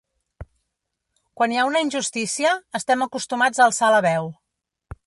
Quan hi ha una injustícia, estem acostumats a alçar la veu.